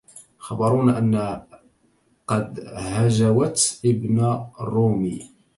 خبرونا أن قد هجوت ابن رومي